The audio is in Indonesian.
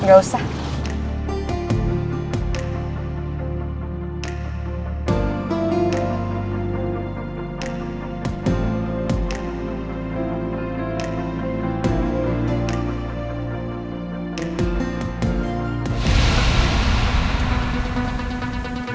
bercanda kok mas